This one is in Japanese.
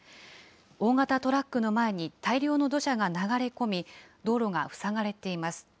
大型トラックの前に大量の土砂が流れ込み、道路が塞がれています。